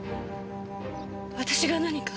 私が何か？